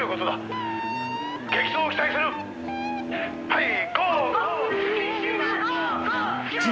はい！